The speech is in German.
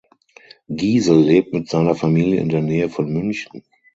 Giesel lebt mit seiner Familie in der Nähe von München.